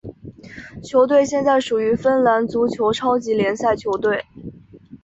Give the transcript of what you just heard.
球队现在属于芬兰足球超级联赛球队。